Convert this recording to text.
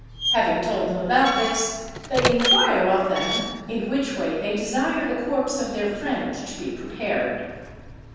Having told them about this, they inquire of them in which way they desire the corpse of their friend to be prepared.